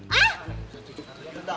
satu juta neng